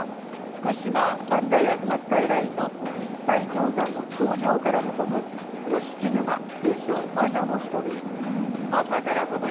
福島・磐梯吾妻スカイラインの一切経山の頂上から望む、五色沼通称、魔女の瞳。